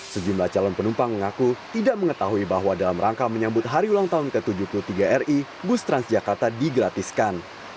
sejumlah calon penumpang mengaku tidak mengetahui bahwa dalam rangka menyambut hari ulang tahun ke tujuh puluh tiga ri bus transjakarta digratiskan